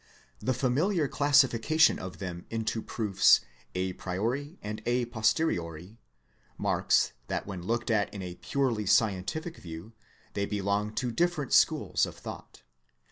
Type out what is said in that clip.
The familiar classification of them into proofs a priori and a pos teriori, marks that when looked at in a purely scien tific view they belong to different schools of thought.